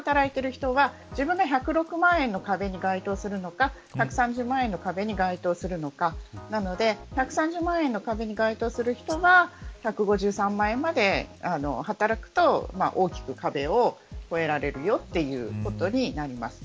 自分が１０６万の壁に該当するか１３０万円の壁に該当するのかなので１３０万円の壁に該当する人は１５３万円まで働くと大きく壁を越えられるよということになります。